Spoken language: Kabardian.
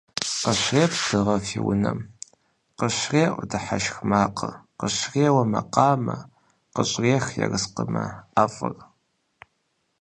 Къыщрепс дыгъэр фи унэ, къыщреӏу дыхьэшх макъ, къыщреуэ макъамэ, къыщӏрех ерыскъымэ ӏэфӏыр.